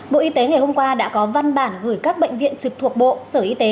bộ y tế ngày hôm qua đã có văn bản gửi các bệnh viện trực thuộc bộ sở y tế